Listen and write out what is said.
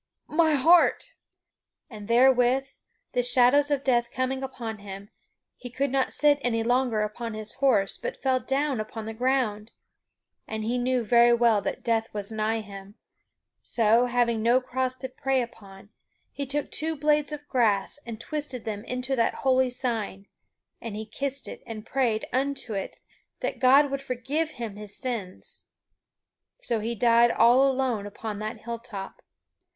My heart!" And therewith, the shadows of death coming upon him, he could not sit any longer upon his horse, but fell down upon the ground. And he knew very well that death was nigh him, so, having no cross to pray upon, he took two blades of grass and twisted them into that holy sign, and he kissed it and prayed unto it that God would forgive him his sins. So he died all alone upon that hilltop.